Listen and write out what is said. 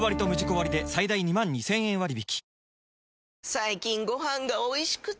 最近ご飯がおいしくて！